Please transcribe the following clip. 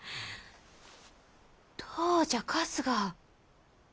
どうじゃ春日。